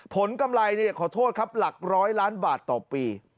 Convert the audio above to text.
กำไรขอโทษครับหลักร้อยล้านบาทต่อปี